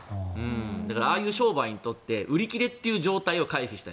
だからああいう商売にとって売り切れという状態を回避したい。